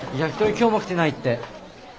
今日も来てないって。